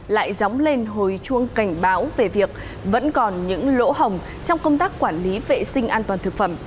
lại dóng lên hồi chuông cảnh báo về việc vẫn còn những lỗ hồng trong công tác quản lý vệ sinh an toàn thực phẩm